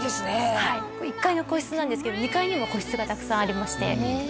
はい１階の個室なんですけど２階にも個室がたくさんありまして・へえ